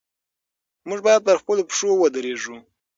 موږ باید پر خپلو پښو ودرېږو.